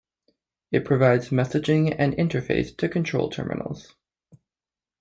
It provides messaging and interface to control terminals.